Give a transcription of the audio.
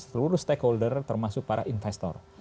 seluruh stakeholder termasuk para investor